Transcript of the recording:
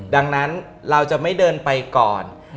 ดังนั้นเราจะไม่เดินไปก่อน